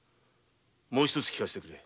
もう一つ聞かせてくれ。